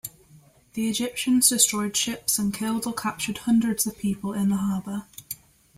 The Egyptians destroyed ships and killed or captured hundreds of people in the harbor.